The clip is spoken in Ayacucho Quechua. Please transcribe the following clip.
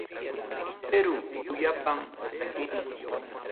Perú suyupam takiynin.